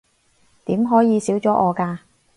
點可以少咗我㗎